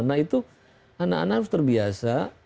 nah itu anak anak harus terbiasa